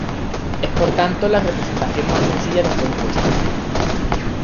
Es por tanto la representación más sencilla de un compuesto.